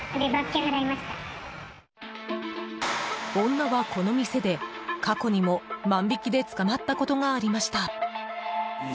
女は、この店で過去にも万引きで捕まったことがありました。